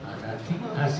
nanti hasil istiqorohnya itu